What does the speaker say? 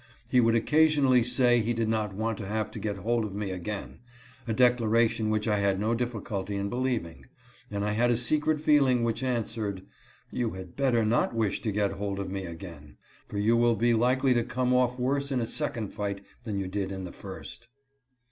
He would occasionally say he did not want to have to get hold of me again — a declaration which I had no difficulty in believing ; and I had a secret feeling which answered, " You had better not wish to get hold of me again, for you will be likely to come off worse in a second fight than you did in the first."